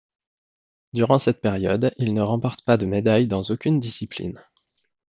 Durant cette période, il ne remporte pas de médaille dans aucune discipline.